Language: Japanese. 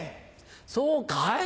そうかい？